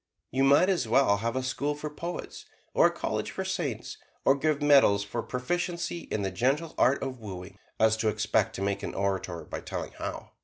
You might as well have a school for poets, or a college for saints, or give medals for proficiency in the gentle art of wooing, as to expect to make an orator by telling how.